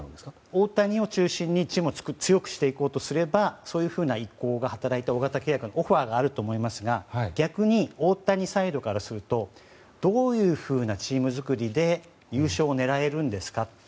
大谷を中心にチームを強くしていこうとすればそういうふうな意向が働いて大型契約のオファーがあると思いますが逆に大谷サイドからするとどういうふうなチーム作りで優勝を狙えるんですかと。